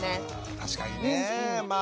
確かにねまあ。